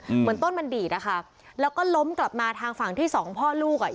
เหมือนต้นมันดีดอ่ะค่ะแล้วก็ล้มกลับมาทางฝั่งที่สองพ่อลูกอ่ะ